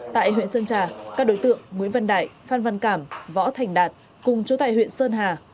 tại huyện sơn trà các đối tượng nguyễn văn đại phan văn cảm võ thành đạt cùng chú tại huyện sơn hà